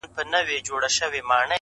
• نشه یمه تر اوسه جام مي بل څکلی نه دی..